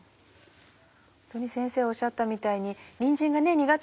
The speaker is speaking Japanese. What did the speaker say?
ホントに先生おっしゃったみたいににんじんが苦手